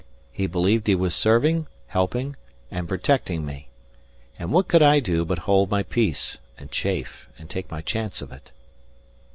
He believed he was serving, helping, and protecting me. And what could I do but hold my peace, and chafe, and take my chance of it?